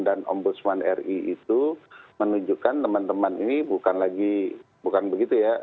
dan ombudsman ri itu menunjukkan teman teman ini bukan lagi bukan begitu ya